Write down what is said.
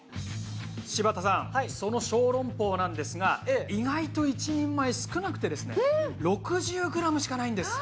柴田さんそのショウロンポウなんですが意外と１人前少なくてですね６０ｇしかないんです。